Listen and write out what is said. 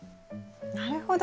なるほど。